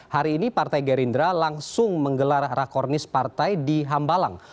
hari ini partai gerindra langsung menggelar rakornis partai di hambalang